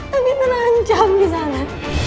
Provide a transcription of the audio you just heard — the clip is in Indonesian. tapi terancam di sana